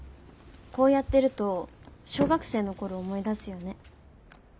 こうやってると小学生の頃思い出すよね。